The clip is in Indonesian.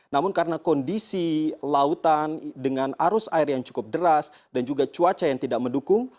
namun karena kondisi lautan dengan arus air yang cukup deras dan juga cuaca yang tidak mendukung